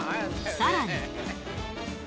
さらに。